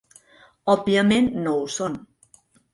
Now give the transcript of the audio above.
Òbviament no ho són.